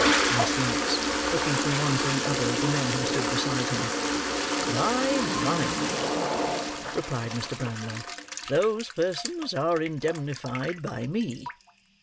asked Monks, looking from one to the other of the men who stood beside him. "By mine," replied Mr. Brownlow. "Those persons are indemnified by me.